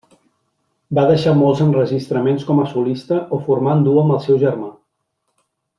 Va deixar molts enregistraments com a solista o formant duo amb el seu germà.